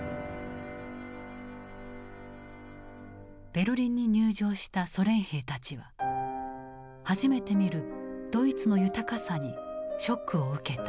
ベルリンに入城したソ連兵たちは初めて見るドイツの豊かさにショックを受けた。